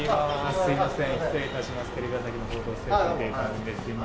すみません。